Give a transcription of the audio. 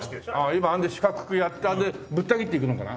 今あれで四角くやってでぶった切っていくのかな。